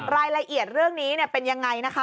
รายละเอียดเรื่องนี้เป็นยังไงนะคะ